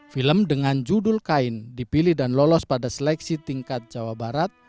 film dengan judul kain dipilih dan lolos pada seleksi tingkat jawa barat